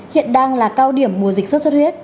hiện đang là cao điểm mùa dịch sốt xuất huyết